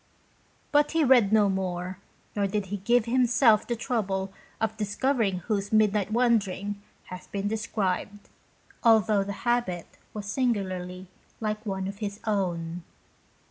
But he read no more, nor did he give himself the trouble of discovering vrhose midnight wandering vras being described, although the habit was singularly like one of his own.